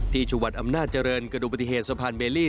ที่จังหวัดอำนาจเจริญกระดูกปฏิเหตุสะพานเบลลี่